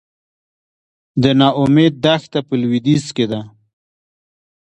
د نا امید دښته په لویدیځ کې ده